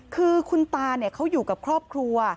คือคุณตาเขาอยู่กับครอบครัว